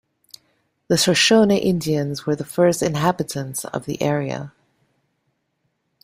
The Shoshone Indians were the first inhabitants of the area.